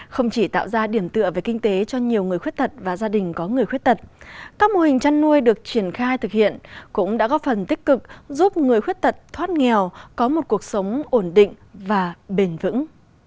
không chỉ tạo ra điểm tựa về kinh tế cho nhiều người khuyết tật và gia đình có người khuyết tật các mô hình chăn nuôi được triển khai thực hiện cũng đã góp phần tích cực giúp người khuyết tật thoát nghèo có một cuộc sống ổn định và bền vững